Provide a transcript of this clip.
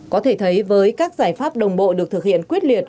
có thể thấy với các giải pháp đồng bộ được thực hiện quyết liệt